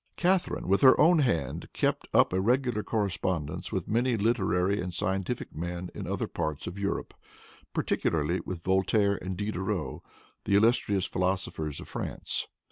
Catharine, with her own hand, kept up a regular correspondence with many literary and scientific men in other parts of Europe, particularly with Voltaire and Diderot, the illustrious philosophers of France.